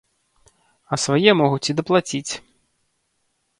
А свае могуць і даплаціць.